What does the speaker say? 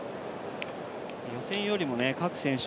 予選よりも各選手